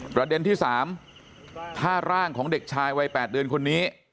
ประเด็นที่๓ถ้าร่างของเด็กชายวัย๘เดือนคนนี้